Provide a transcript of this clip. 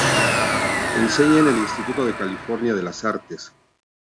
Enseña en el Instituto de California de las Artes.